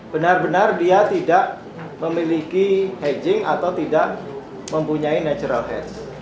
benar benar dia tidak memiliki hedging atau tidak mempunyai natural heads